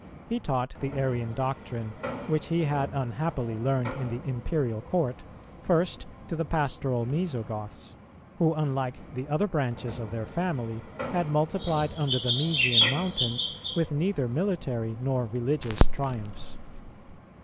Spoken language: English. He taught the Arian doctrine, which he had unhappily learned in the Imperial Court, first to the pastoral Mœsogoths; who, unlike the other branches of their family, had multiplied under the Mœsian mountains with neither military nor religious triumphs.